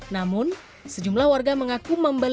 namun sejumlah warga mengaku membeli baju musik